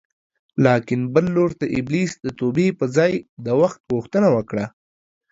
لاکن بل لور ته ابلیس د توبې په ځای د وخت غوښتنه وکړه